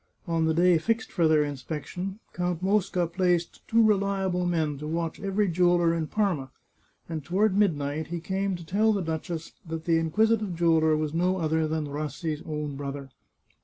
On the day fixed for their inspection. Count Mosca placed two reliable men to watch every jew eller in Parma, and toward midnight he came to tell the duchess that the inquisitive jeweller was no other than Rassi's own brother.